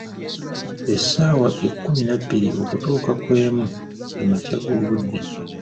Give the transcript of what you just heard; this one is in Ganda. Essaawa ekkumi nabbiri okutuuka ku emu, ge makya g'obudde.